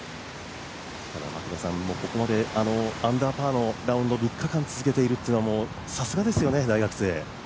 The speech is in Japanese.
ここまでアンダーパーのラウンドを３日間続けているというのはさすがですよね、大学生。